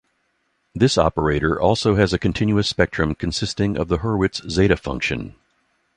This operator also has a continuous spectrum consisting of the Hurwitz zeta function.